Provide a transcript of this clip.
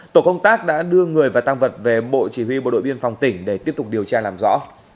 tổ công tác đã đưa người và tăng vật về bộ chỉ huy bộ đội biên phòng tỉnh để tiếp tục điều tra làm rõ